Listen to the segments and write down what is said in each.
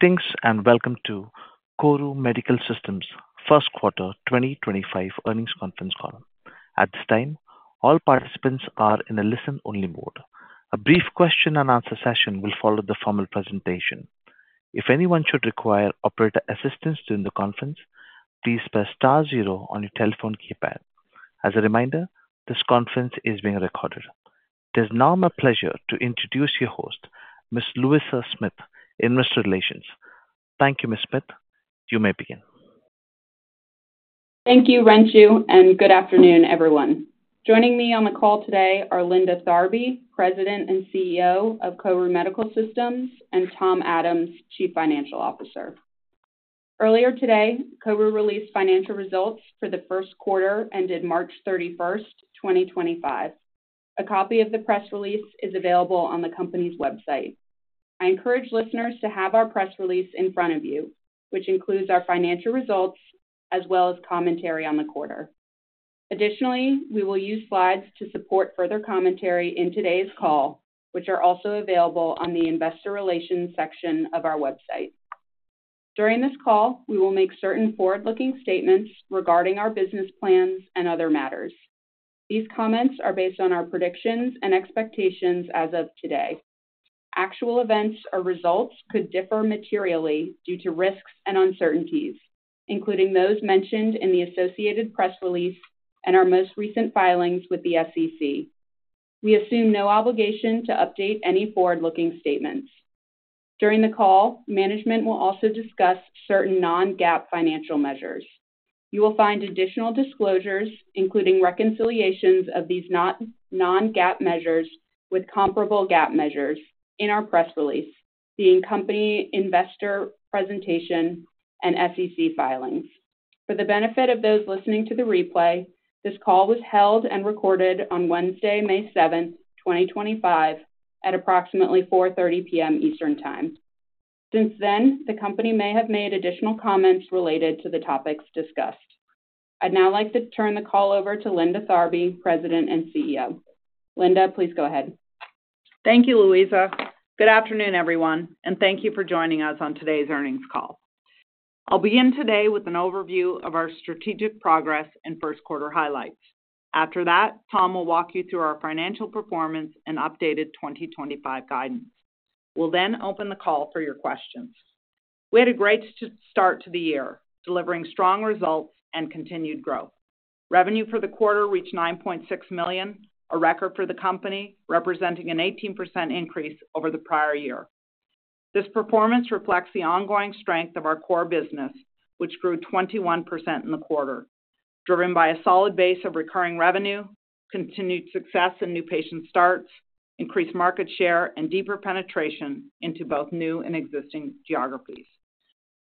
Greetings and welcome to KORU Medical Systems' First Quarter 2025 Earnings Conference Call. At this time, all participants are in a listen-only mode. A brief Q&A session will follow the formal presentation. If anyone should require operator assistance during the conference, please press *0 on your telephone keypad. As a reminder, this conference is being recorded. It is now my pleasure to introduce your host, Ms. Louisa Smith, Investor Relations. Thank you, Ms. Smith. You may begin. Thank you, Renshu, and good afternoon, everyone. Joining me on the call today are Linda Tharby, President and CEO of KORU Medical Systems, and Tom Adams, Chief Financial Officer. Earlier today, KORU released financial results for the first quarter ended March 31, 2025. A copy of the press release is available on the company's website. I encourage listeners to have our press release in front of you, which includes our financial results as well as commentary on the quarter. Additionally, we will use slides to support further commentary in today's call, which are also available on the Investor Relations section of our website. During this call, we will make certain forward-looking statements regarding our business plans and other matters. These comments are based on our predictions and expectations as of today. Actual events or results could differ materially due to risks and uncertainties, including those mentioned in the associated press release and our most recent filings with the SEC. We assume no obligation to update any forward-looking statements. During the call, management will also discuss certain non-GAAP financial measures. You will find additional disclosures, including reconciliations of these non-GAAP measures with comparable GAAP measures, in our press release, the in-company investor presentation, and SEC filings. For the benefit of those listening to the replay, this call was held and recorded on Wednesday, May 7th, 2025, at approximately 4:30 P.M. EST. Since then, the company may have made additional comments related to the topics discussed. I'd now like to turn the call over to Linda Tharby, President and CEO. Linda, please go ahead. Thank you, Louisa. Good afternoon, everyone, and thank you for joining us on today's earnings call. I'll begin today with an overview of our strategic progress and first quarter highlights. After that, Tom will walk you through our financial performance and updated 2025 guidance. We'll then open the call for your questions. We had a great start to the year, delivering strong results and continued growth. Revenue for the quarter reached $9.6 million, a record for the company, representing an 18% increase over the prior year. This performance reflects the ongoing strength of our core business, which grew 21% in the quarter, driven by a solid base of recurring revenue, continued success in new patient starts, increased market share, and deeper penetration into both new and existing geographies.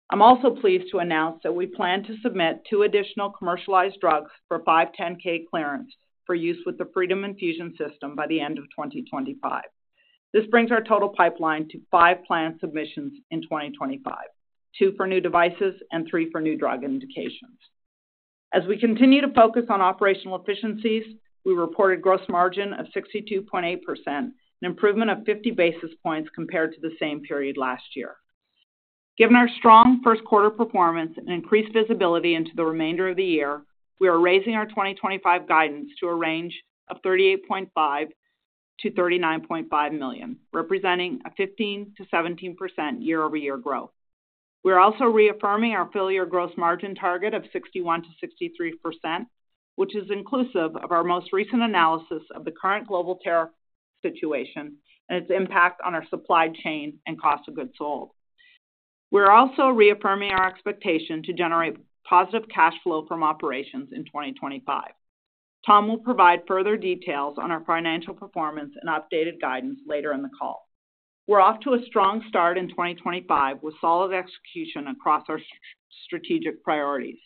I'm also pleased to announce that we plan to submit two additional commercialized drugs for 510(k) clearance for use with the Freedom Infusion System by the end of 2025. This brings our total pipeline to five planned submissions in 2025: two for new devices and three for new drug indications. As we continue to focus on operational efficiencies, we reported gross margin of 62.8%, an improvement of 50 basis points compared to the same period last year. Given our strong first quarter performance and increased visibility into the remainder of the year, we are raising our 2025 guidance to a range of $38.5 to $39.5 million, representing a 15%-17% year-over-year growth. We are also reaffirming our full-year gross margin target of 61%-63%, which is inclusive of our most recent analysis of the current global tariff situation and its impact on our supply chain and cost of goods sold. We are also reaffirming our expectation to generate positive cash flow from operations in 2025. Tom will provide further details on our financial performance and updated guidance later in the call. We're off to a strong start in 2025 with solid execution across our strategic priorities.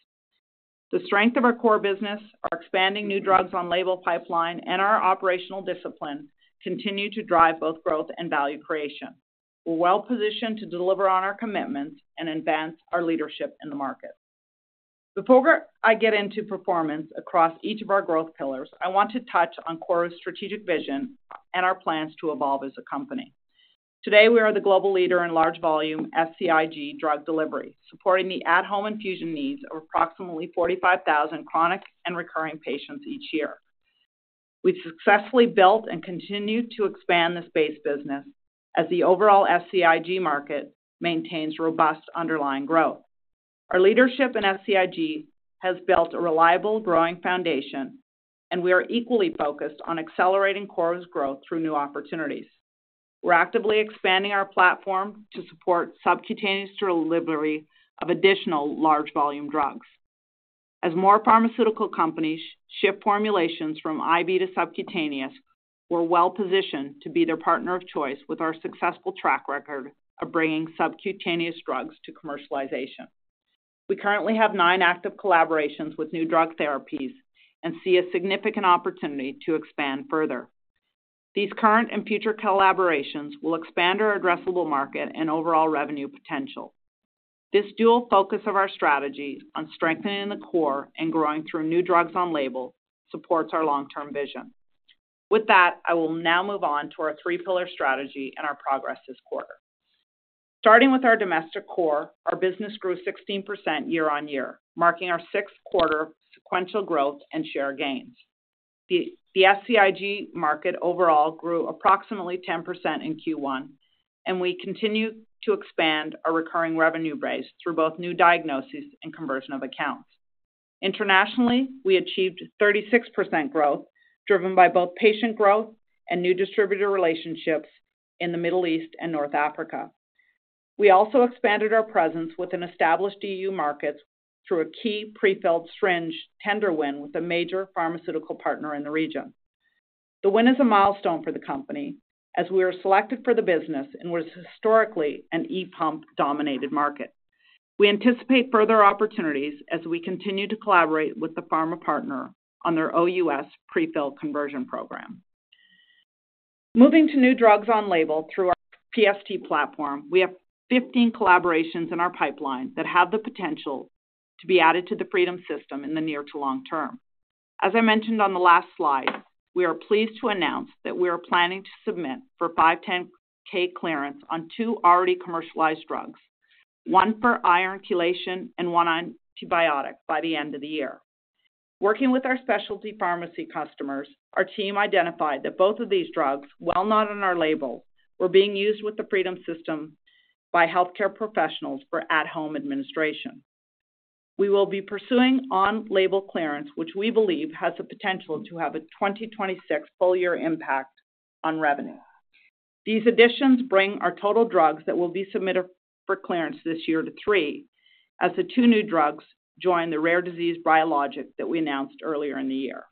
The strength of our core business, our expanding new drugs on label pipeline, and our operational discipline continue to drive both growth and value creation. We're well-positioned to deliver on our commitments and advance our leadership in the market. Before I get into performance across each of our growth pillars, I want to touch on KORU's strategic vision and our plans to evolve as a company. Today, we are the global leader in large-volume SCIg drug delivery, supporting the at-home infusion needs of approximately 45,000 chronic and recurring patients each year. We've successfully built and continue to expand this base business as the overall SCIg market maintains robust underlying growth. Our leadership in SCIg has built a reliable growing foundation, and we are equally focused on accelerating KORU's growth through new opportunities. We're actively expanding our platform to support subcutaneous delivery of additional large-volume drugs. As more pharmaceutical companies shift formulations from IV to subcutaneous, we're well-positioned to be their partner of choice with our successful track record of bringing subcutaneous drugs to commercialization. We currently have nine active collaborations with new drug therapies and see a significant opportunity to expand further. These current and future collaborations will expand our addressable market and overall revenue potential. This dual focus of our strategy on strengthening the core and growing through new drugs on label supports our long-term vision. With that, I will now move on to our three-pillar strategy and our progress this quarter. Starting with our domestic core, our business grew 16% year-on-year, marking our sixth quarter sequential growth and share gains. The SCIg market overall grew approximately 10% in Q1, and we continue to expand our recurring revenue base through both new diagnoses and conversion of accounts. Internationally, we achieved 36% growth, driven by both patient growth and new distributor relationships in the Middle East and North Africa. We also expanded our presence within established EU markets through a key prefilled syringe tender win with a major pharmaceutical partner in the region. The win is a milestone for the company as we were selected for the business in what is historically an e-pump-dominated market. We anticipate further opportunities as we continue to collaborate with the pharma partner on their OUS prefilled conversion program. Moving to new drugs on label through our PFT platform, we have 15 collaborations in our pipeline that have the potential to be added to the Freedom System in the near to long term. As I mentioned on the last slide, we are pleased to announce that we are planning to submit for 510(k) clearance on two already commercialized drugs, one for iron chelation and one antibiotic, by the end of the year. Working with our specialty pharmacy customers, our team identified that both of these drugs, while not on our label, were being used with the Freedom System by healthcare professionals for at-home administration. We will be pursuing on-label clearance, which we believe has the potential to have a 2026 full-year impact on revenue. These additions bring our total drugs that will be submitted for clearance this year to three, as the two new drugs join the rare disease biologic that we announced earlier in the year.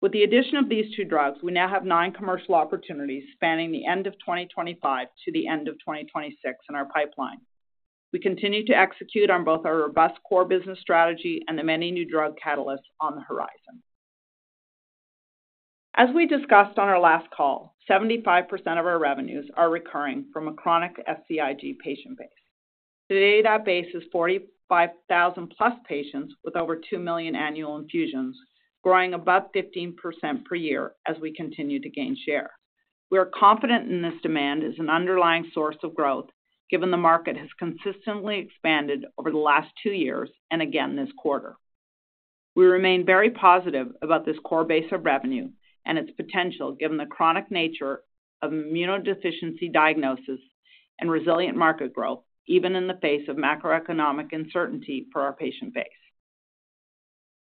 With the addition of these two drugs, we now have nine commercial opportunities spanning the end of 2025 to the end of 2026 in our pipeline. We continue to execute on both our robust core business strategy and the many new drug catalysts on the horizon. As we discussed on our last call, 75% of our revenues are recurring from a chronic SCIg patient base. Today, that base is 45,000-plus patients with over 2 million annual infusions, growing above 15% per year as we continue to gain share. We are confident in this demand as an underlying source of growth, given the market has consistently expanded over the last two years and again this quarter. We remain very positive about this core base of revenue and its potential, given the chronic nature of immunodeficiency diagnosis and resilient market growth, even in the face of macroeconomic uncertainty for our patient base.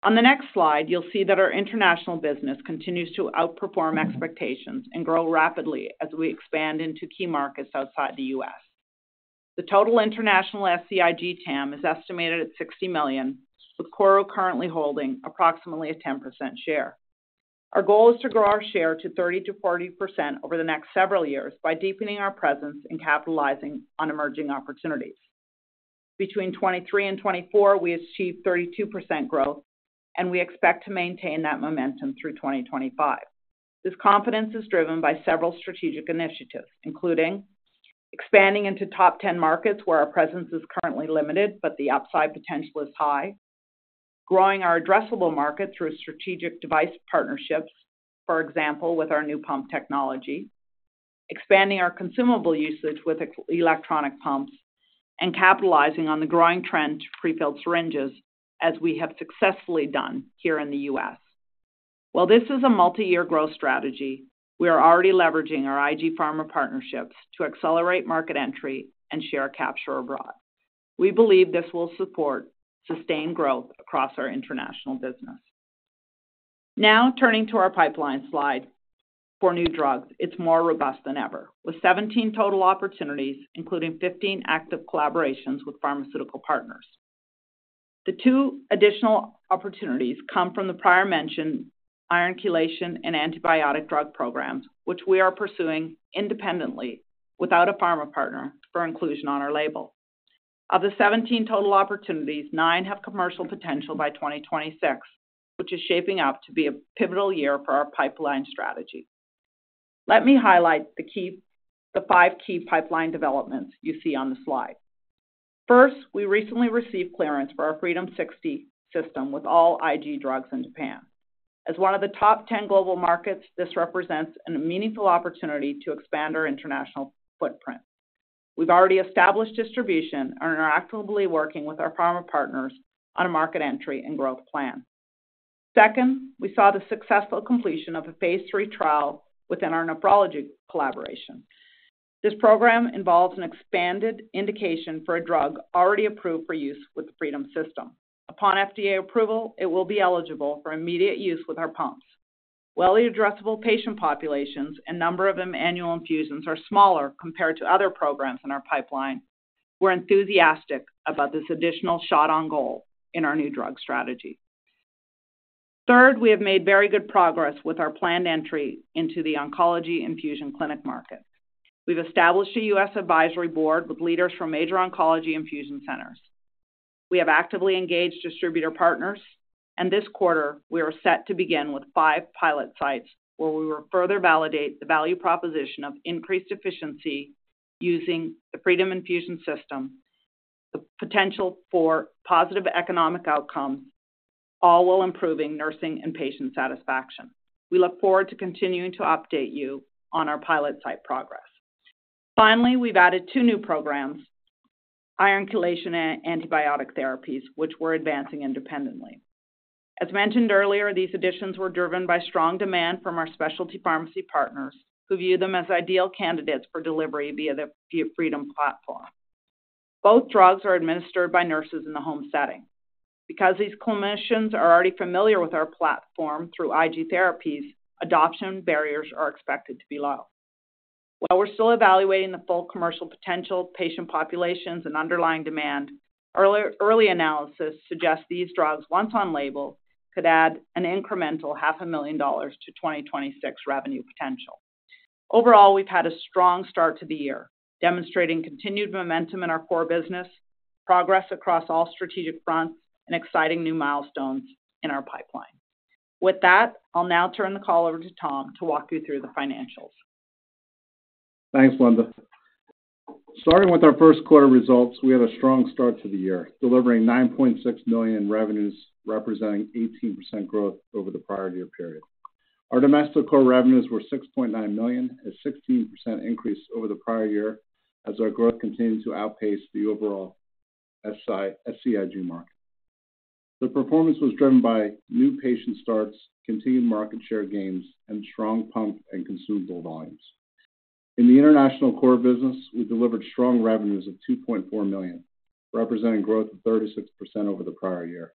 On the next slide, you'll see that our international business continues to outperform expectations and grow rapidly as we expand into key markets outside the U.S. The total international SCIg TAM is estimated at $60 million, with KORU currently holding approximately a 10% share. Our goal is to grow our share to 30%-40% over the next several years by deepening our presence and capitalizing on emerging opportunities. Between 2023 and 2024, we achieved 32% growth, and we expect to maintain that momentum through 2025. This confidence is driven by several strategic initiatives, including expanding into top 10 markets where our presence is currently limited, but the upside potential is high, growing our addressable market through strategic device partnerships, for example, with our new pump technology, expanding our consumable usage with electronic pumps, and capitalizing on the growing trend to prefilled syringes, as we have successfully done here in the U.S. While this is a multi-year growth strategy, we are already leveraging our IG Pharma partnerships to accelerate market entry and share capture abroad. We believe this will support sustained growth across our international business. Now, turning to our pipeline slide for new drugs, it's more robust than ever, with 17 total opportunities, including 15 active collaborations with pharmaceutical partners. The two additional opportunities come from the prior-mentioned iron chelation and antibiotic drug programs, which we are pursuing independently without a pharma partner for inclusion on our label. Of the 17 total opportunities, nine have commercial potential by 2026, which is shaping up to be a pivotal year for our pipeline strategy. Let me highlight the five key pipeline developments you see on the slide. First, we recently received clearance for our Freedom 60 System with all IG drugs in Japan. As one of the top 10 global markets, this represents a meaningful opportunity to expand our international footprint. We've already established distribution and are actively working with our pharma partners on a market entry and growth plan. Second, we saw the successful completion of a phase three trial within our nephrology collaboration. This program involves an expanded indication for a drug already approved for use with the Freedom System. Upon FDA approval, it will be eligible for immediate use with our pumps. While the addressable patient populations and number of annual infusions are smaller compared to other programs in our pipeline, we're enthusiastic about this additional shot on goal in our new drug strategy. Third, we have made very good progress with our planned entry into the oncology infusion clinic market. We've established a U.S. advisory board with leaders from major oncology infusion centers. We have actively engaged distributor partners, and this quarter, we are set to begin with five pilot sites where we will further validate the value proposition of increased efficiency using the Freedom Infusion System, the potential for positive economic outcomes, all while improving nursing and patient satisfaction. We look forward to continuing to update you on our pilot site progress. Finally, we've added two new programs, iron chelation and antibiotic therapies, which we're advancing independently. As mentioned earlier, these additions were driven by strong demand from our specialty pharmacy partners, who view them as ideal candidates for delivery via the Freedom platform. Both drugs are administered by nurses in the home setting. Because these clinicians are already familiar with our platform through IG therapies, adoption barriers are expected to be low. While we're still evaluating the full commercial potential, patient populations, and underlying demand, early analysis suggests these drugs, once on label, could add an incremental $500,000 to 2026 revenue potential. Overall, we've had a strong start to the year, demonstrating continued momentum in our core business, progress across all strategic fronts, and exciting new milestones in our pipeline. With that, I'll now turn the call over to Tom to walk you through the financials. Thanks, Linda. Starting with our first quarter results, we had a strong start to the year, delivering $9.6 million in revenues, representing 18% growth over the prior year period. Our domestic core revenues were $6.9 million, a 16% increase over the prior year, as our growth continued to outpace the overall SCIg market. The performance was driven by new patient starts, continued market share gains, and strong pump and consumable volumes. In the international core business, we delivered strong revenues of $2.4 million, representing growth of 36% over the prior year.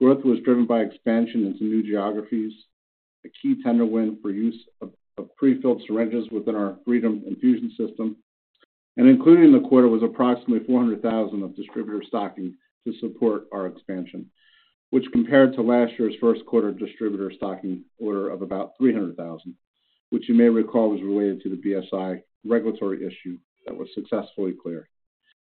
Growth was driven by expansion into new geographies, a key tender win for use of prefilled syringes within our Freedom Infusion System, and included in the quarter was approximately $400,000 of distributor stocking to support our expansion, which compared to last year's first quarter distributor stocking order of about $300,000, which you may recall was related to the BSI regulatory issue that was successfully cleared.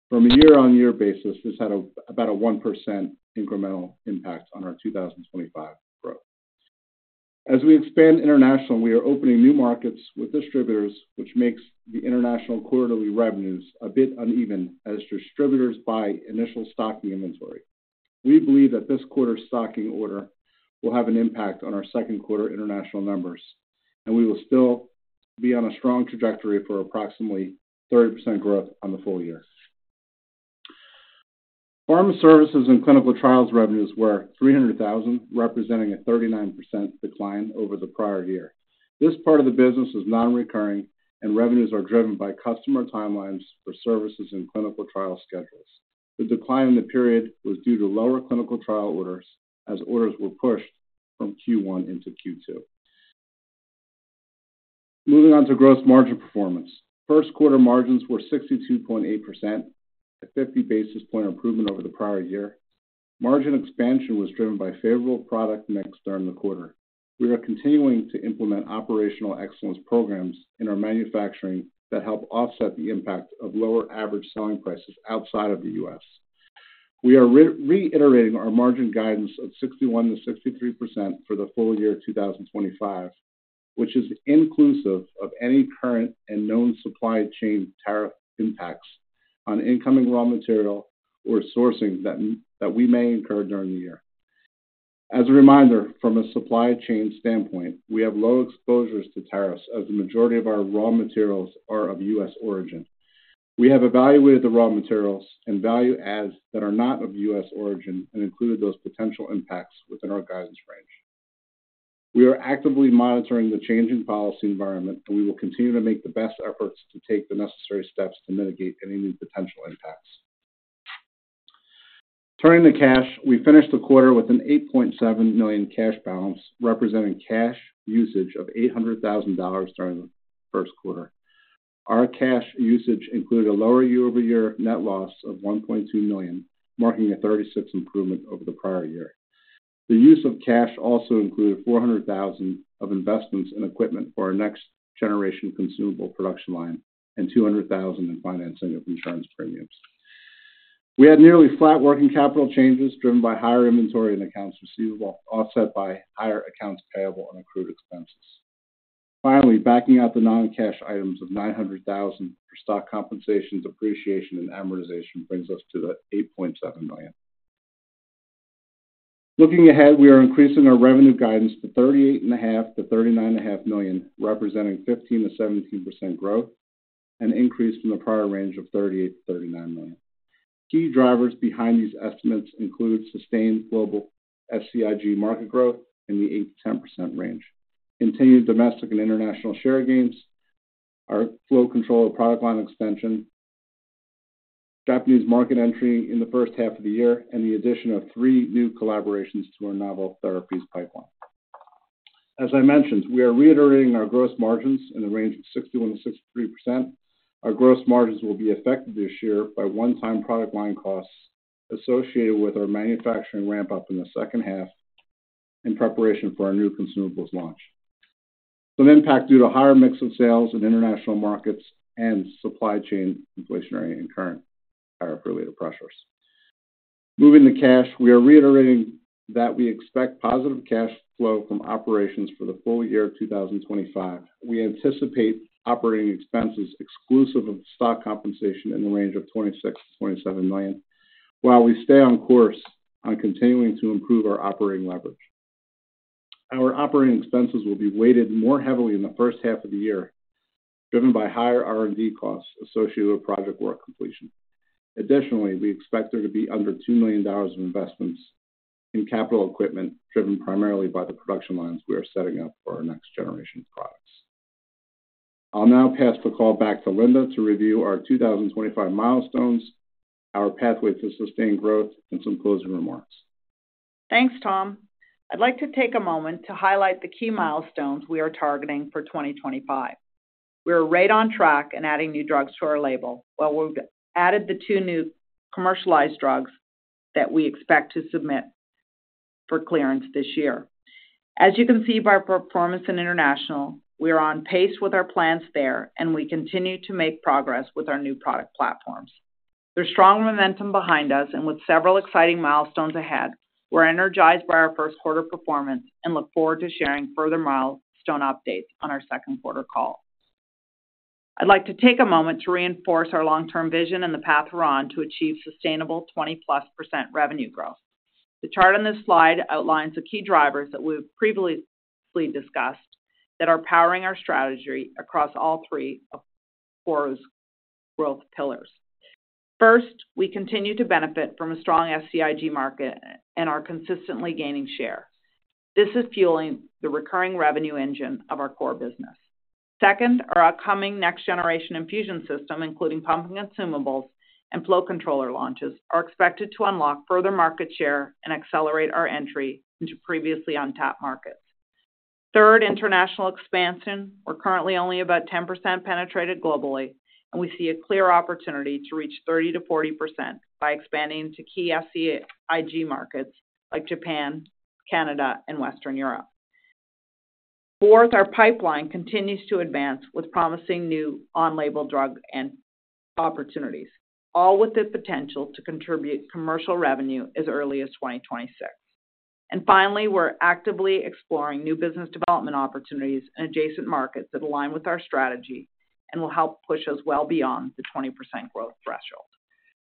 From a year-on-year basis, this had about a 1% incremental impact on our 2025 growth. As we expand internationally, we are opening new markets with distributors, which makes the international quarterly revenues a bit uneven as distributors buy initial stocking inventory. We believe that this quarter's stocking order will have an impact on our second quarter international numbers, and we will still be on a strong trajectory for approximately 30% growth on the full year. Pharma services and clinical trials revenues were $300,000, representing a 39% decline over the prior year. This part of the business is non-recurring, and revenues are driven by customer timelines for services and clinical trial schedules. The decline in the period was due to lower clinical trial orders, as orders were pushed from Q1 into Q2. Moving on to gross margin performance. First quarter margins were 62.8%, a 50 basis point improvement over the prior year. Margin expansion was driven by favorable product mix during the quarter. We are continuing to implement operational excellence programs in our manufacturing that help offset the impact of lower average selling prices outside of the U.S. We are reiterating our margin guidance of 61%-63% for the full year 2025, which is inclusive of any current and known supply chain tariff impacts on incoming raw material or sourcing that we may incur during the year. As a reminder, from a supply chain standpoint, we have low exposures to tariffs as the majority of our raw materials are of U.S. origin. We have evaluated the raw materials and value adds that are not of U.S. origin and included those potential impacts within our guidance range. We are actively monitoring the changing policy environment, and we will continue to make the best efforts to take the necessary steps to mitigate any new potential impacts. Turning to cash, we finished the quarter with an $8.7 million cash balance, representing cash usage of $800,000 during the first quarter. Our cash usage included a lower year-over-year net loss of $1.2 million, marking a 36% improvement over the prior year. The use of cash also included $400,000 of investments in equipment for our next-generation consumable production line and $200,000 in financing of insurance premiums. We had nearly flat working capital changes driven by higher inventory and accounts receivable, offset by higher accounts payable and accrued expenses. Finally, backing out the non-cash items of $900,000 for stock compensations, depreciation, and amortization brings us to the $8.7 million. Looking ahead, we are increasing our revenue guidance to $38.5-$39.5 million, representing 15%-17% growth, an increase from the prior range of $38-$39 million. Key drivers behind these estimates include sustained global SCIg market growth in the 8-10% range, continued domestic and international share gains, our flow control of product line extension, Japanese market entry in the first half of the year, and the addition of three new collaborations to our novel therapies pipeline. As I mentioned, we are reiterating our gross margins in the range of 61-63%. Our gross margins will be affected this year by one-time product line costs associated with our manufacturing ramp-up in the second half in preparation for our new consumables launch. Some impact due to higher mix of sales in international markets and supply chain inflationary and current tariff-related pressures. Moving to cash, we are reiterating that we expect positive cash flow from operations for the full year 2025. We anticipate operating expenses exclusive of stock compensation in the range of $26-$27 million, while we stay on course on continuing to improve our operating leverage. Our operating expenses will be weighted more heavily in the first half of the year, driven by higher R&D costs associated with project work completion. Additionally, we expect there to be under $2 million of investments in capital equipment driven primarily by the production lines we are setting up for our next generation of products. I'll now pass the call back to Linda to review our 2025 milestones, our pathway to sustained growth, and some closing remarks. Thanks, Tom. I'd like to take a moment to highlight the key milestones we are targeting for 2025. We are right on track in adding new drugs to our label, while we've added the two new commercialized drugs that we expect to submit for clearance this year. As you can see by performance in international, we are on pace with our plans there, and we continue to make progress with our new product platforms. There is strong momentum behind us, and with several exciting milestones ahead, we're energized by our first quarter performance and look forward to sharing further milestone updates on our second quarter call. I'd like to take a moment to reinforce our long-term vision and the path we're on to achieve sustainable 20+% revenue growth. The chart on this slide outlines the key drivers that we've previously discussed that are powering our strategy across all three of KORU's growth pillars. First, we continue to benefit from a strong SCIg market and are consistently gaining share. This is fueling the recurring revenue engine of our core business. Second, our upcoming next-generation infusion system, including pump and consumables and Flow Controller launches, are expected to unlock further market share and accelerate our entry into previously untapped markets. Third, international expansion. We're currently only about 10% penetrated globally, and we see a clear opportunity to reach 30%-40% by expanding into key SCIg markets like Japan, Canada, and Western Europe. Fourth, our pipeline continues to advance with promising new on-label drug opportunities, all with the potential to contribute commercial revenue as early as 2026. Finally, we're actively exploring new business development opportunities in adjacent markets that align with our strategy and will help push us well beyond the 20% growth threshold.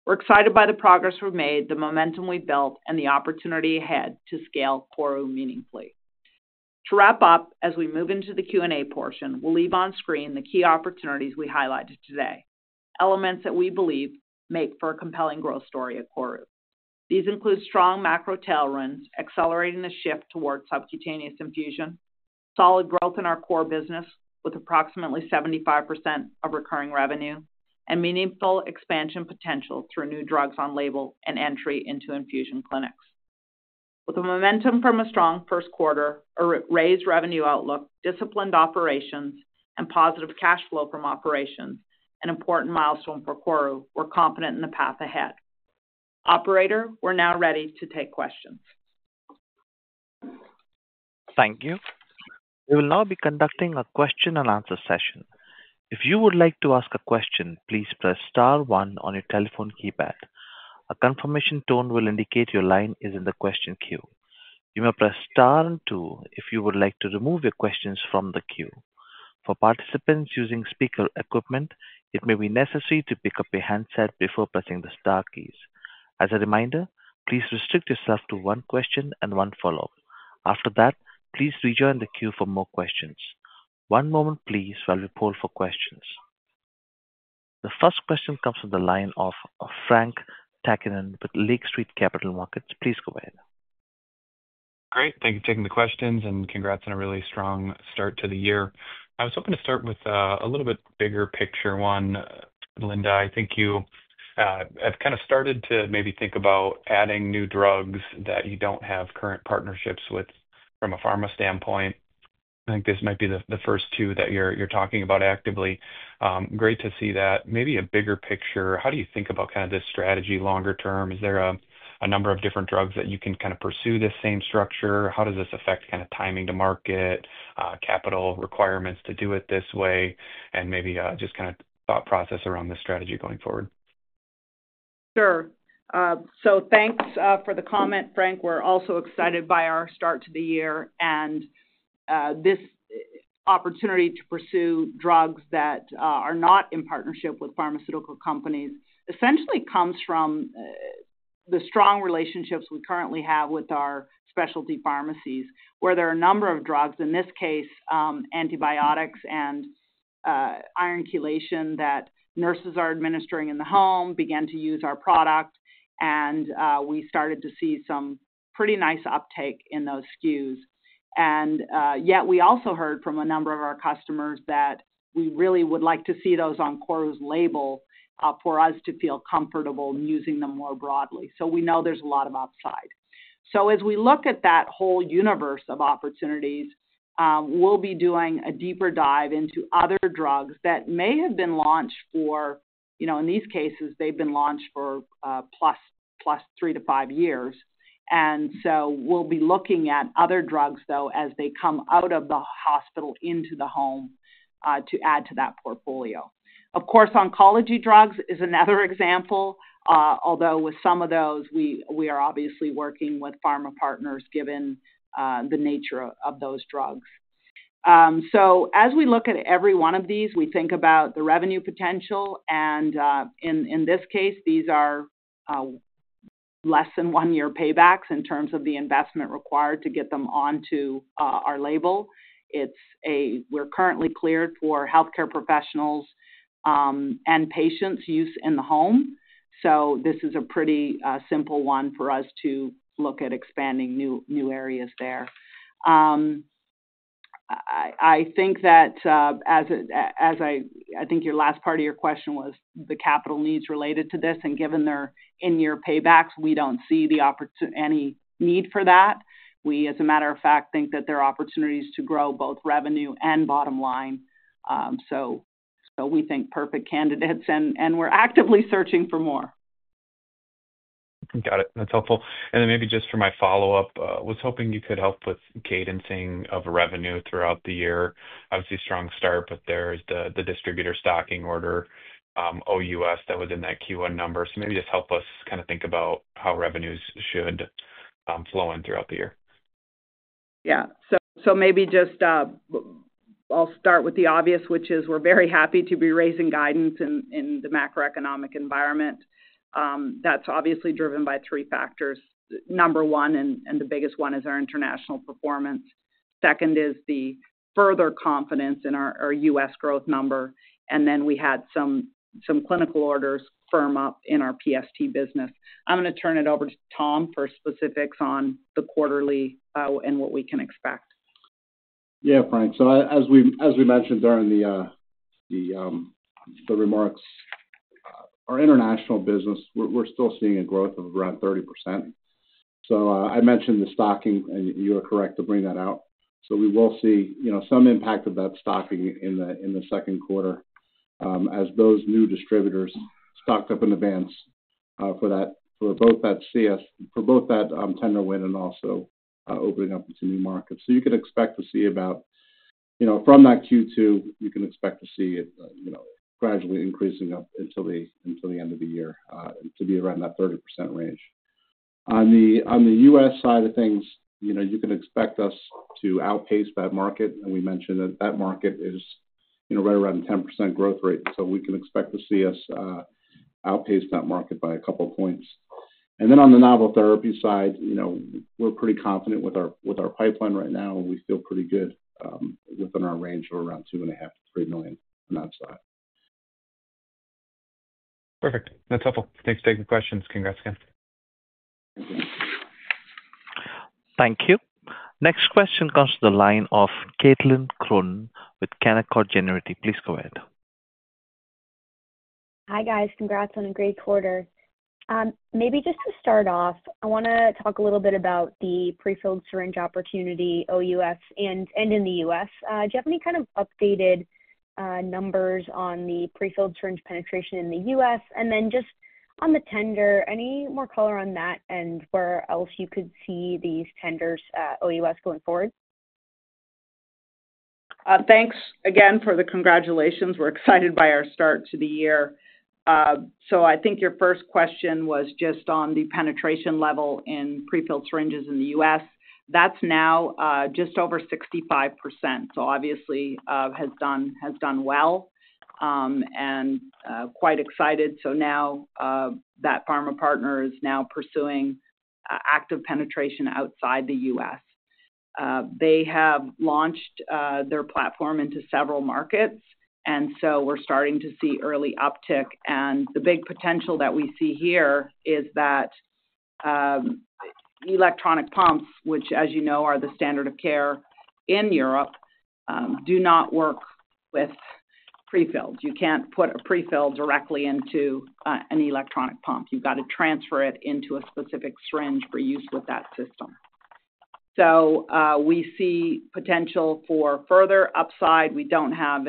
We're excited by the progress we've made, the momentum we've built, and the opportunity ahead to scale KORU meaningfully. To wrap up, as we move into the Q&A portion, we'll leave on screen the key opportunities we highlighted today, elements that we believe make for a compelling growth story at KORU. These include strong macro tailwinds accelerating the shift toward subcutaneous infusion, solid growth in our core business with approximately 75% of recurring revenue, and meaningful expansion potential through new drugs on label and entry into infusion clinics. With momentum from a strong first quarter, a raised revenue outlook, disciplined operations, and positive cash flow from operations, an important milestone for KORU, we're confident in the path ahead. Operator, we're now ready to take questions. Thank you. We will now be conducting a Q&A session. If you would like to ask a question, please press *1 on your telephone keypad. A confirmation tone will indicate your line is in the question queue. You may press *2 if you would like to remove your questions from the queue. For participants using speaker equipment, it may be necessary to pick up a handset before pressing the * keys. As a reminder, please restrict yourself to one question and one follow-up. After that, please rejoin the queue for more questions. One moment, please, while we poll for questions. The first question comes from the line of Frank Takkinen with Lake Street Capital Markets. Please go ahead. Great. Thank you for taking the questions, and congrats on a really strong start to the year. I was hoping to start with a little bit bigger picture one, Linda. I think you have kind of started to maybe think about adding new drugs that you do not have current partnerships with from a pharma standpoint. I think this might be the first two that you are talking about actively. Great to see that. Maybe a bigger picture, how do you think about kind of this strategy longer term? Is there a number of different drugs that you can kind of pursue this same structure? How does this affect kind of timing to market, capital requirements to do it this way, and maybe just kind of thought process around this strategy going forward? Sure. Thanks for the comment, Frank. We're also excited by our start to the year, and this opportunity to pursue drugs that are not in partnership with pharmaceutical companies essentially comes from the strong relationships we currently have with our specialty pharmacies, where there are a number of drugs, in this case, antibiotics and iron chelation that nurses are administering in the home, began to use our product, and we started to see some pretty nice uptake in those SKUs. Yet, we also heard from a number of our customers that we really would like to see those on KORU's label for us to feel comfortable using them more broadly. We know there's a lot of upside. As we look at that whole universe of opportunities, we'll be doing a deeper dive into other drugs that may have been launched for, in these cases, they've been launched for plus three to five years. We'll be looking at other drugs, though, as they come out of the hospital into the home to add to that portfolio. Of course, oncology drugs is another example, although with some of those, we are obviously working with pharma partners given the nature of those drugs. As we look at every one of these, we think about the revenue potential, and in this case, these are less than one-year paybacks in terms of the investment required to get them onto our label. We're currently cleared for healthcare professionals and patients' use in the home. This is a pretty simple one for us to look at expanding new areas there. I think that, as I think your last part of your question was the capital needs related to this, and given their in-year paybacks, we don't see any need for that. We, as a matter of fact, think that there are opportunities to grow both revenue and bottom line. We think perfect candidates, and we're actively searching for more. Got it. That's helpful. Maybe just for my follow-up, I was hoping you could help with cadencing of revenue throughout the year. Obviously, strong start, but there's the distributor stocking order, OUS, that was in that Q1 number. Maybe just help us kind of think about how revenues should flow in throughout the year. Yeah. Maybe just I'll start with the obvious, which is we're very happy to be raising guidance in the macroeconomic environment. That's obviously driven by three factors. Number one, and the biggest one, is our international performance. Second is the further confidence in our U.S. growth number. Then we had some clinical orders firm up in our PST business. I'm going to turn it over to Tom for specifics on the quarterly and what we can expect. Yeah, Frank. As we mentioned during the remarks, our international business, we're still seeing a growth of around 30%. I mentioned the stocking, and you were correct to bring that out. We will see some impact of that stocking in the second quarter as those new distributors stocked up in advance for both that tender win and also opening up into new markets. You can expect to see about from that Q2, you can expect to see it gradually increasing up until the end of the year to be around that 30% range. On the U.S. side of things, you can expect us to outpace that market. We mentioned that that market is right around 10% growth rate. We can expect to see us outpace that market by a couple of points. On the novel therapy side, we're pretty confident with our pipeline right now. We feel pretty good within our range of around $2.5 million-$3 million on that side. Perfect. That's helpful. Thanks for taking the questions. Congrats again. Thank you. Next question comes to the line of Caitlin Cronin with Canaccord Genuity. Please go ahead. Hi, guys. Congrats on a great quarter. Maybe just to start off, I want to talk a little bit about the prefilled syringe opportunity, OUS, and in the U.S. Do you have any kind of updated numbers on the prefilled syringe penetration in the U.S.? And then just on the tender, any more color on that and where else you could see these tenders, OUS, going forward? Thanks again for the congratulations. We're excited by our start to the year. I think your first question was just on the penetration level in prefilled syringes in the U.S. That's now just over 65%. Obviously, has done well and quite excited. Now that pharma partner is now pursuing active penetration outside the U.S. They have launched their platform into several markets, and we're starting to see early uptick. The big potential that we see here is that electronic pumps, which, as you know, are the standard of care in Europe, do not work with prefilled. You can't put a prefill directly into an electronic pump. You've got to transfer it into a specific syringe for use with that system. We see potential for further upside. We don't have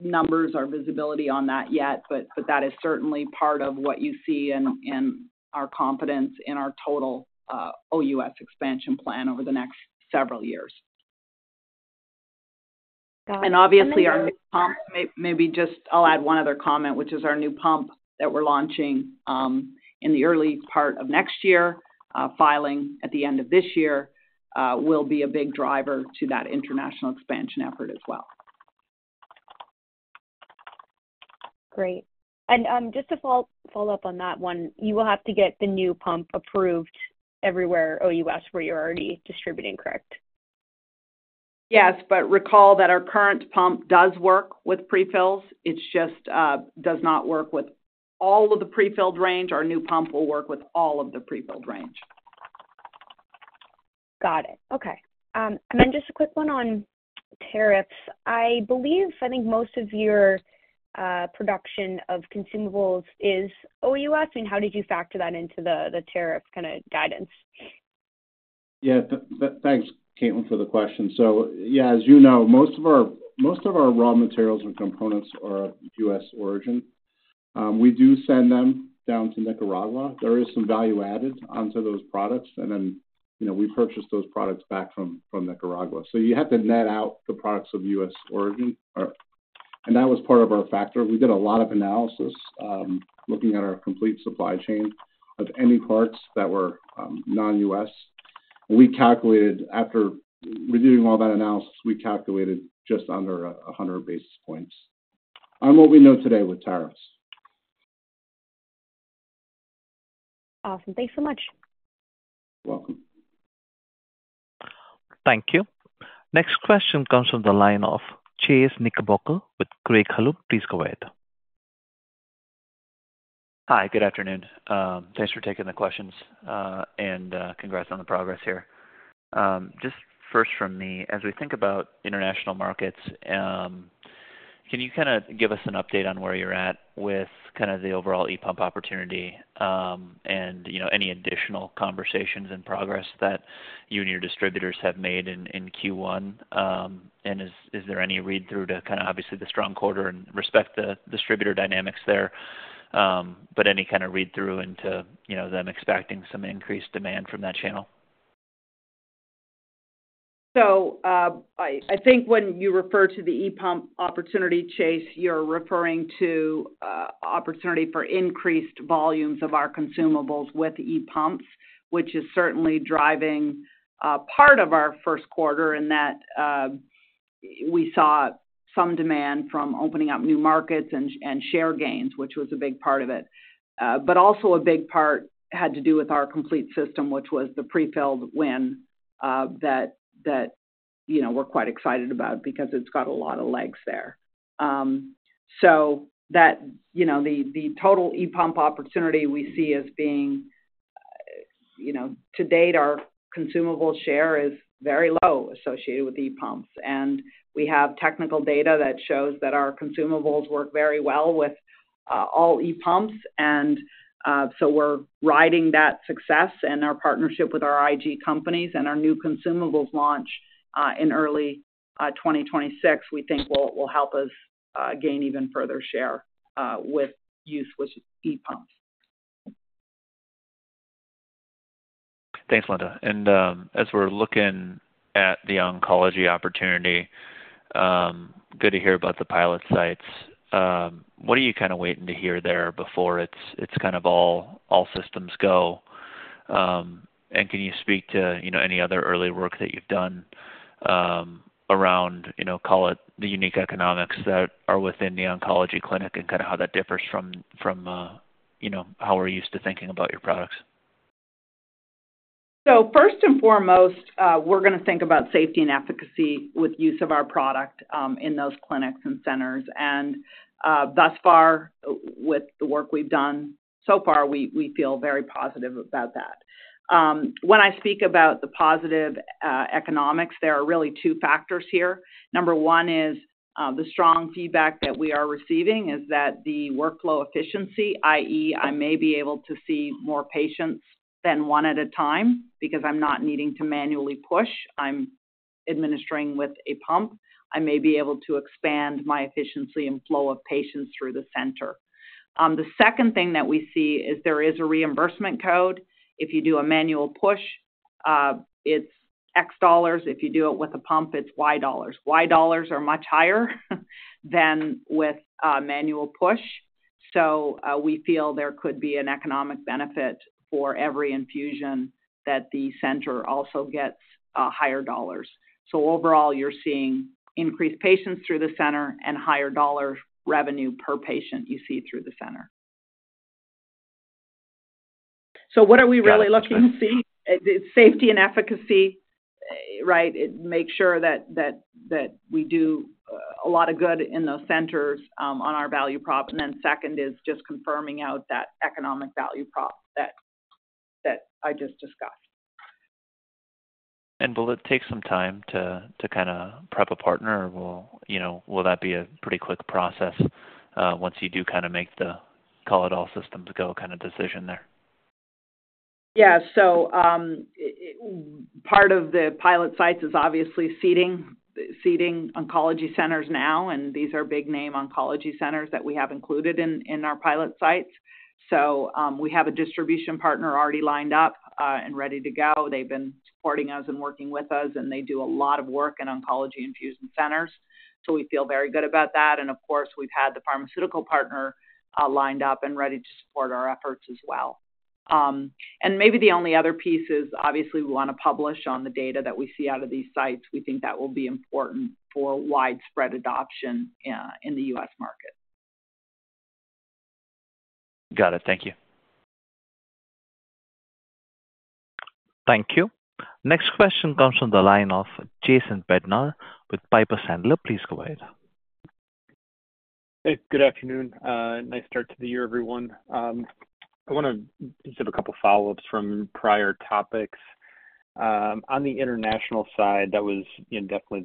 numbers or visibility on that yet, but that is certainly part of what you see in our confidence in our total OUS expansion plan over the next several years. Obviously, our new pump, maybe just I'll add one other comment, which is our new pump that we're launching in the early part of next year, filing at the end of this year, will be a big driver to that international expansion effort as well. Great. Just to follow up on that one, you will have to get the new pump approved everywhere OUS where you're already distributing, correct? Yes, but recall that our current pump does work with prefills. It just does not work with all of the prefilled range. Our new pump will work with all of the prefilled range. Got it. Okay. Just a quick one on tariffs. I believe I think most of your production of consumables is OUS. I mean, how did you factor that into the tariff kind of guidance? Yeah. Thanks, Caitlin, for the question. Yeah, as you know, most of our raw materials and components are of U.S. origin. We do send them down to Nicaragua. There is some value added onto those products, and then we purchase those products back from Nicaragua. You have to net out the products of U.S. origin. That was part of our factor. We did a lot of analysis looking at our complete supply chain of any parts that were non-U.S. We calculated, after reviewing all that analysis, just under 100 basis points on what we know today with tariffs. Awesome. Thanks so much. You're welcome. Thank you. Next question comes from the line of Chase Knickerbocker with Craig-Hallum. Please go ahead. Hi. Good afternoon. Thanks for taking the questions, and congrats on the progress here. Just first from me, as we think about international markets, can you kind of give us an update on where you're at with kind of the overall e-pump opportunity and any additional conversations and progress that you and your distributors have made in Q1? Is there any read-through to kind of obviously the strong quarter and respect the distributor dynamics there, but any kind of read-through into them expecting some increased demand from that channel? I think when you refer to the e-pump opportunity, Chase, you're referring to opportunity for increased volumes of our consumables with e-pumps, which is certainly driving part of our first quarter in that we saw some demand from opening up new markets and share gains, which was a big part of it. A big part had to do with our complete system, which was the prefilled win that we're quite excited about because it's got a lot of legs there. The total e-pump opportunity we see as being, to date, our consumable share is very low associated with e-pumps. We have technical data that shows that our consumables work very well with all e-pumps. We're riding that success and our partnership with our IG companies, and our new consumables launch in early 2026, we think will help us gain even further share with use with e-pumps. Thanks, Linda. As we're looking at the oncology opportunity, good to hear about the pilot sites. What are you kind of waiting to hear there before it's kind of all systems go? Can you speak to any other early work that you have done around, call it the unique economics that are within the oncology clinic and kind of how that differs from how we are used to thinking about your products? First and foremost, we are going to think about safety and efficacy with use of our product in those clinics and centers. Thus far, with the work we have done so far, we feel very positive about that. When I speak about the positive economics, there are really two factors here. Number one is the strong feedback that we are receiving is that the workflow efficiency, i.e., I may be able to see more patients than one at a time because I am not needing to manually push. I am administering with a pump. I may be able to expand my efficiency and flow of patients through the center. The second thing that we see is there is a reimbursement code. If you do a manual push, it's X dollars. If you do it with a pump, it's Y dollars. Y dollars are much higher than with manual push. We feel there could be an economic benefit for every infusion that the center also gets higher dollars. Overall, you're seeing increased patients through the center and higher dollar revenue per patient you see through the center. What are we really looking to see? Safety and efficacy, right? Make sure that we do a lot of good in those centers on our value prop. Then second is just confirming out that economic value prop that I just discussed. Will it take some time to kind of prep a partner, or will that be a pretty quick process once you do kind of make the call-it-all-systems-go kind of decision there? Yeah. Part of the pilot sites is obviously seating oncology centers now, and these are big-name oncology centers that we have included in our pilot sites. We have a distribution partner already lined up and ready to go. They've been supporting us and working with us, and they do a lot of work in oncology infusion centers. We feel very good about that. Of course, we've had the pharmaceutical partner lined up and ready to support our efforts as well. Maybe the only other piece is, obviously, we want to publish on the data that we see out of these sites. We think that will be important for widespread adoption in the U.S. market. Got it. Thank you. Thank you. Next question comes from the line of Jason Bednar with Piper Sandler. Please go ahead. Hey. Good afternoon. Nice start to the year, everyone. I want to just have a couple of follow-ups from prior topics. On the international side, that was definitely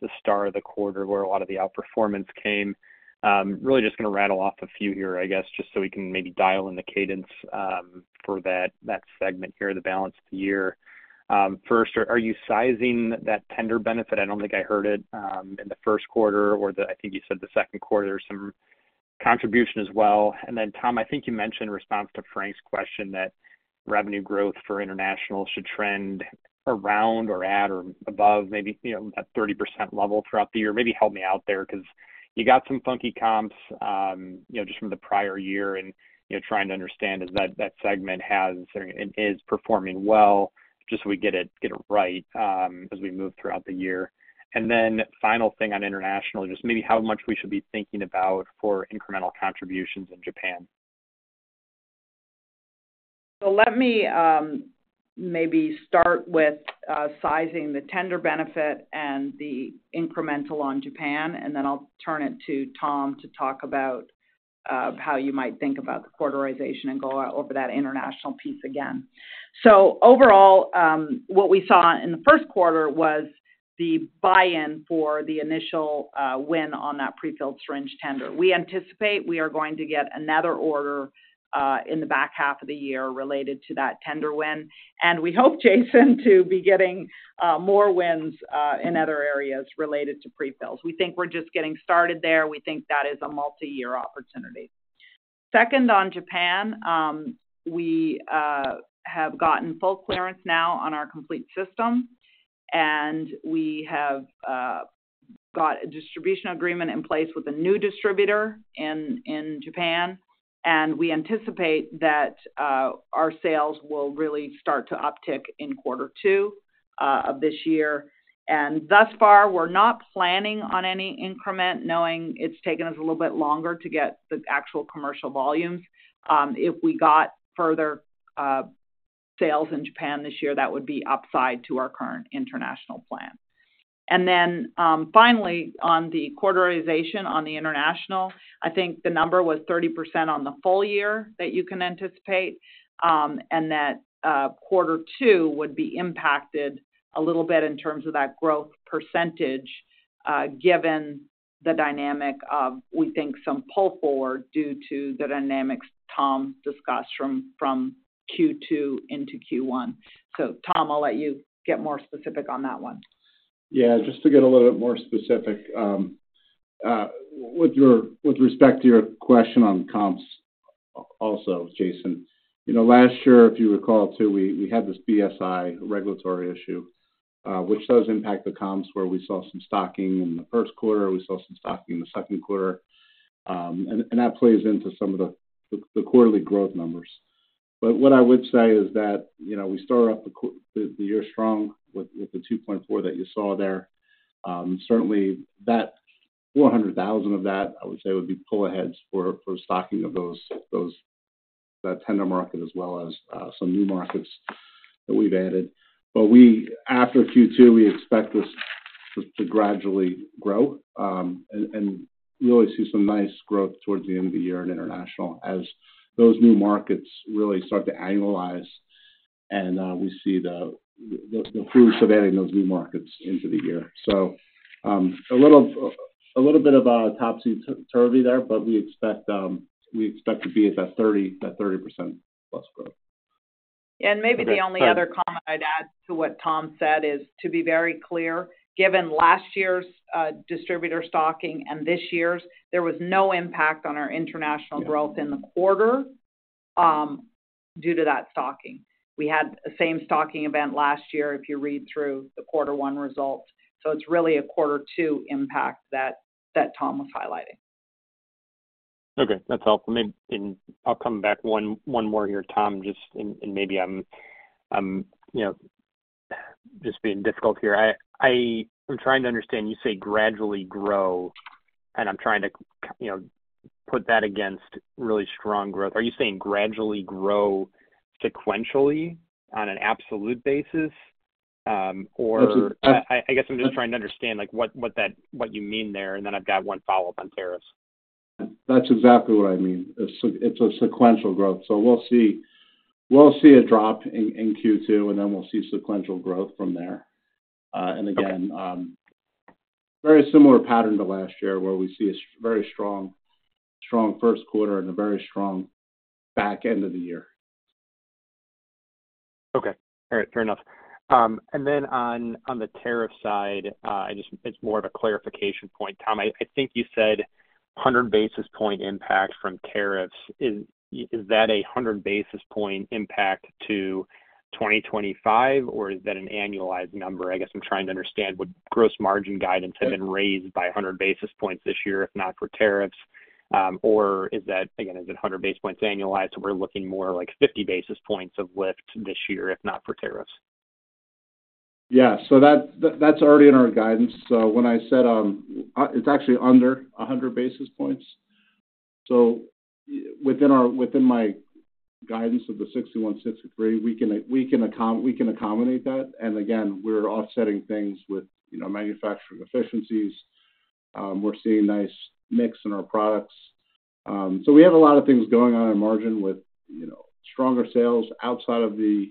the star of the quarter where a lot of the outperformance came. Really just going to rattle off a few here, I guess, just so we can maybe dial in the cadence for that segment here, the balance of the year. First, are you sizing that tender benefit? I do not think I heard it in the first quarter or I think you said the second quarter, some contribution as well. Then, Tom, I think you mentioned in response to Frank's question that revenue growth for international should trend around or at or above maybe that 30% level throughout the year. Maybe help me out there because you got some funky comps just from the prior year and trying to understand is that segment is performing well just so we get it right as we move throughout the year. Final thing on international, just maybe how much we should be thinking about for incremental contributions in Japan. Let me maybe start with sizing the tender benefit and the incremental on Japan, and then I'll turn it to Tom to talk about how you might think about the quarterization and go over that international piece again. Overall, what we saw in the first quarter was the buy-in for the initial win on that prefilled syringe tender. We anticipate we are going to get another order in the back half of the year related to that tender win. We hope, Jason, to be getting more wins in other areas related to prefills. We think we're just getting started there. We think that is a multi-year opportunity. Second, on Japan, we have gotten full clearance now on our complete system, and we have got a distribution agreement in place with a new distributor in Japan. We anticipate that our sales will really start to uptick in quarter two of this year. Thus far, we're not planning on any increment, knowing it's taken us a little bit longer to get the actual commercial volumes. If we got further sales in Japan this year, that would be upside to our current international plan. Then finally, on the quarterization on the international, I think the number was 30% on the full year that you can anticipate, and that quarter two would be impacted a little bit in terms of that growth percentage given the dynamic of, we think, some pull forward due to the dynamics Tom discussed from Q2 into Q1. Tom, I'll let you get more specific on that one. Yeah. Just to get a little bit more specific, with respect to your question on comps also, Jason, last year, if you recall too, we had this BSI regulatory issue, which does impact the comps where we saw some stocking in the first quarter. We saw some stocking in the second quarter. That plays into some of the quarterly growth numbers. What I would say is that we started off the year strong with the $2.4 that you saw there. Certainly, $400,000 of that, I would say, would be pull aheads for stocking of that tender market as well as some new markets that we've added. After Q2, we expect this to gradually grow. We always see some nice growth towards the end of the year in international as those new markets really start to annualize, and we see the fruits of adding those new markets into the year. A little bit of a topsy-turvy there, but we expect to be at that 30% plus growth. Maybe the only other comment I'd add to what Tom said is to be very clear, given last year's distributor stocking and this year's, there was no impact on our international growth in the quarter due to that stocking. We had the same stocking event last year if you read through the quarter one results. It is really a quarter two impact that Tom was highlighting. Okay. That is helpful. I will come back one more here, Tom, just in maybe I am just being difficult here. I am trying to understand you say gradually grow, and I am trying to put that against really strong growth. Are you saying gradually grow sequentially on an absolute basis, or? I guess I am just trying to understand what you mean there, and then I have got one follow-up on tariffs. That is exactly what I mean. It is a sequential growth. We will see a drop in Q2, and then we will see sequential growth from there. Again, very similar pattern to last year where we see a very strong first quarter and a very strong back end of the year. Okay. All right. Fair enough. On the tariff side, it is more of a clarification point. Tom, I think you said 100 basis point impact from tariffs. Is that a 100 basis point impact to 2025, or is that an annualized number? I guess I am trying to understand, would gross margin guidance have been raised by 100 basis points this year if not for tariffs? Or again, is it 100 basis points annualized? We are looking more like 50 basis points of lift this year if not for tariffs. Yeah, that is already in our guidance. When I said it is actually under 100 basis points. Within my guidance of the 61-63, we can accommodate that. Again, we are offsetting things with manufacturing efficiencies. We are seeing nice mix in our products. We have a lot of things going on in margin with stronger sales outside of the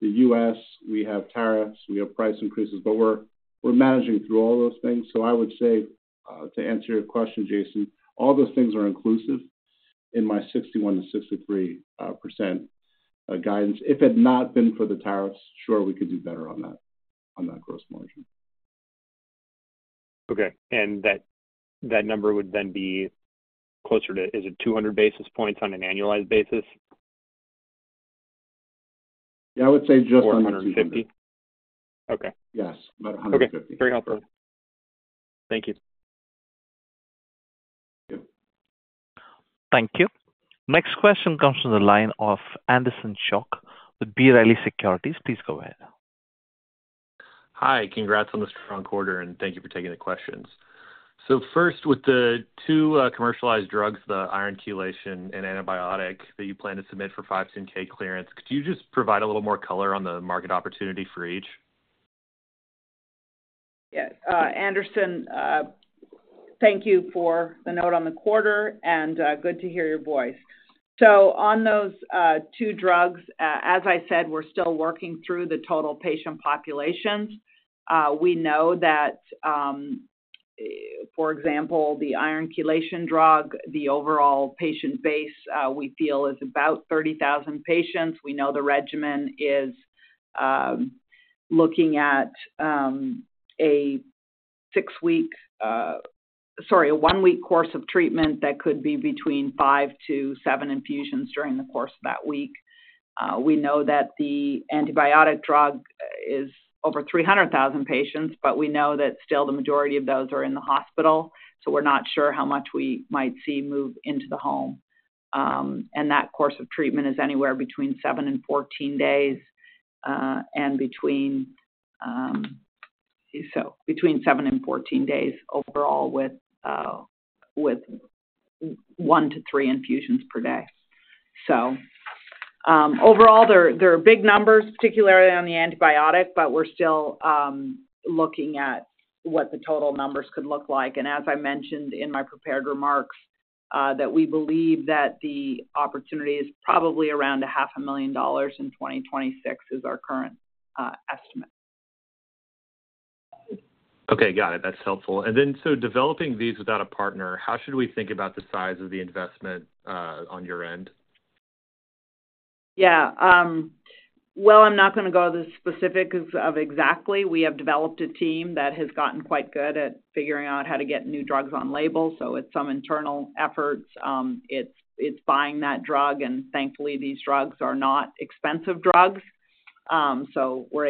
U.S. We have tariffs. We have price increases, but we're managing through all those things. I would say, to answer your question, Jason, all those things are inclusive in my 61-63% guidance. If it had not been for the tariffs, sure, we could do better on that gross margin. That number would then be closer to, is it 200 basis points on an annualized basis? Yeah. I would say just on the 150. Yes. About 150. Very helpful. Thank you. Thank you. Next question comes from the line of Anderson Schock with B. Riley Securities. Please go ahead. Hi. Congrats on this strong quarter, and thank you for taking the questions. First, with the two commercialized drugs, the iron chelation and antibiotic that you plan to submit for 510(k) clearance, could you just provide a little more color on the market opportunity for each? Yes. Anderson, thank you for the note on the quarter, and good to hear your voice. On those two drugs, as I said, we're still working through the total patient populations. We know that, for example, the iron chelation drug, the overall patient base we feel is about 30,000 patients. We know the regimen is looking at a six-week—sorry, a one-week course of treatment that could be between five to seven infusions during the course of that week. We know that the antibiotic drug is over 300,000 patients, but we know that still the majority of those are in the hospital. We're not sure how much we might see move into the home. That course of treatment is anywhere between 7 and 14 days and between—let's see—so between 7 and 14 days overall with one to three infusions per day. Overall, there are big numbers, particularly on the antibiotic, but we're still looking at what the total numbers could look like. As I mentioned in my prepared remarks, we believe that the opportunity is probably around $500,000 in 2026, which is our current estimate. Okay. Got it. That's helpful. Developing these without a partner, how should we think about the size of the investment on your end? Yeah. I'm not going to go to the specifics of exactly. We have developed a team that has gotten quite good at figuring out how to get new drugs on label. It's some internal efforts. It's buying that drug. Thankfully, these drugs are not expensive drugs, so we're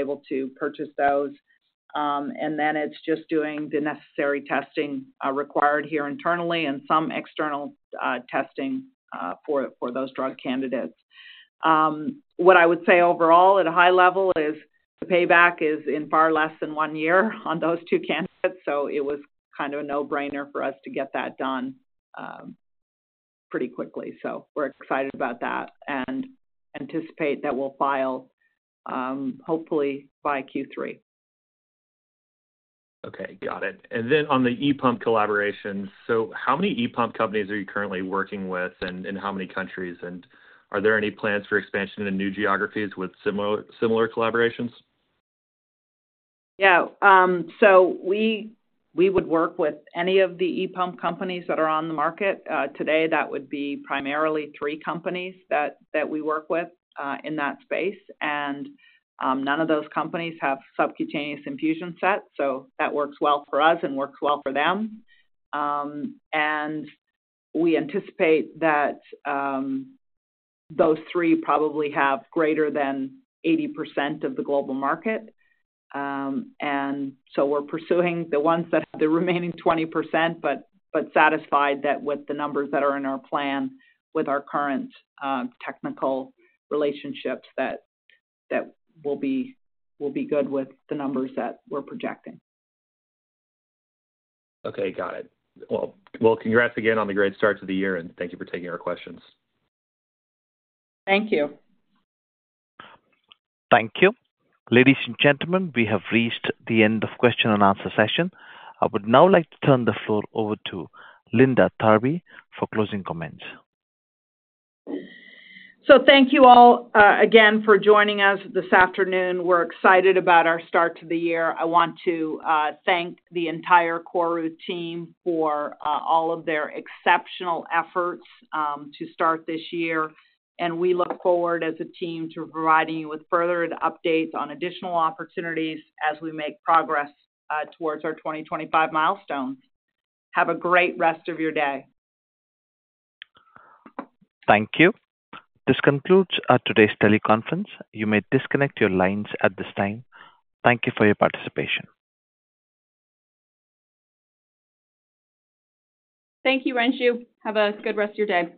able to purchase those. Then it's just doing the necessary testing required here internally and some external testing for those drug candidates. What I would say overall at a high level is the payback is in far less than one year on those two candidates. It was kind of a no-brainer for us to get that done pretty quickly. We are excited about that and anticipate that we will file hopefully by Q3. Okay. Got it. On the e-pump collaborations, how many e-pump companies are you currently working with and in how many countries? Are there any plans for expansion in new geographies with similar collaborations? Yeah. We would work with any of the e-pump companies that are on the market. Today, that would be primarily three companies that we work with in that space. None of those companies have subcutaneous infusion sets. That works well for us and works well for them. We anticipate that those three probably have greater than 80% of the global market. We are pursuing the ones that have the remaining 20%, but are satisfied that with the numbers that are in our plan with our current technical relationships that we will be good with the numbers that we are projecting. Got it. Congratulations again on the great start to the year, and thank you for taking our questions. Thank you. Thank you. Ladies and gentlemen, we have reached the end of the Q&A session. I would now like to turn the floor over to Linda Tharby for closing comments. Thank you all again for joining us this afternoon. We are excited about our start to the year. I want to thank the entire KORU team for all of their exceptional efforts to start this year. We look forward as a team to providing you with further updates on additional opportunities as we make progress towards our 2025 milestones. Have a great rest of your day. Thank you. This concludes today's teleconference. You may disconnect your lines at this time. Thank you for your participation. Thank you, Renshu. Have a good rest of your day.